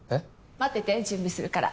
待ってて準備するから。